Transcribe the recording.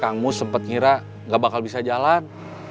kang mus sempat ngira gak bakal bisa jalan